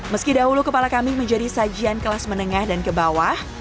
meski dahulu kepala kambing menjadi sajian kelas menengah dan ke bawah